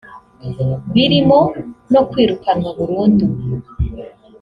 birimo no kwirukanwa burundu